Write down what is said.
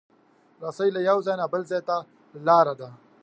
رسۍ له یو ځایه بل ځای ته لاره ده.